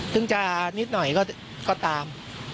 ถึงจะนิดหน่อยก็ตาม